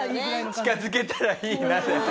近づけたらいいなで入ってきた。